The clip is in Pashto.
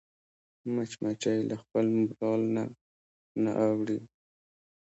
مچمچۍ له خپل مورال نه نه اوړي